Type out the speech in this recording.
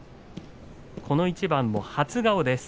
この一番も初顔です。